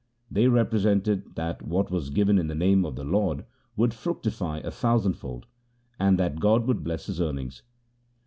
They represented that what was given in the name of the Lord would fructify a thousandfold, and that God would bless his earnings.